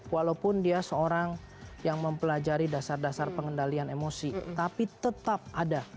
walaupun dia seorang yang mempelajari dasar dasar pengendalian emosi tapi tetap ada